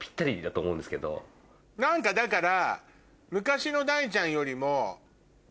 何かだから。